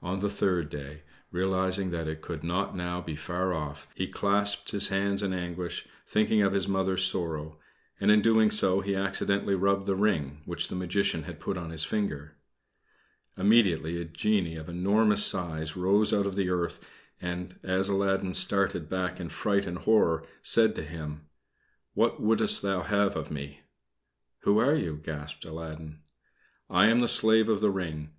On the third day, realizing that it could not now be far off, he clasped his hands in anguish, thinking of his Mother's sorrow; and in so doing he accidently rubbed the ring which the Magician had put upon his finger. Immediately a genie of enormous size rose out of the earth, and, as Aladdin started back in fright and horror, said to him: "What wouldst thou have of me?" "Who are you?" gasped Aladdin. "I am the slave of the ring.